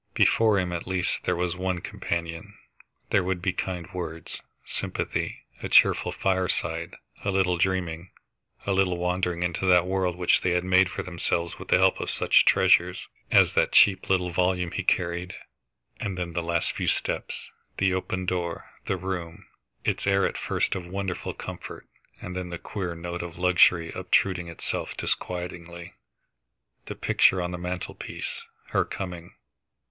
Before him, at least, there was his one companion. There would be kind words, sympathy, a cheerful fireside, a little dreaming, a little wandering into that world which they had made for themselves with the help of such treasures as that cheap little volume he carried. And then the last few steps, the open door, the room, its air at first of wonderful comfort, and then the queer note of luxury obtruding itself disquietingly, the picture on the mantelpiece, her coming.